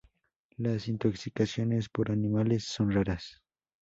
Las intoxicaciones por animales son raras.